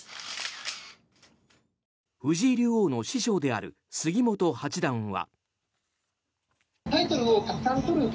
藤井竜王の師匠である杉本八段は。